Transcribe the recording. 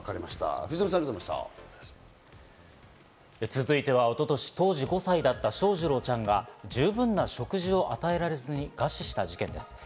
続いては一昨年、当時５歳だった翔士郎ちゃんが十分な食事を与えられずに餓死した事件です。